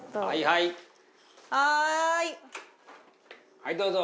はいどうぞ。